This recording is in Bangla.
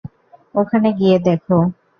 ওখানে গিয়ে দেখো।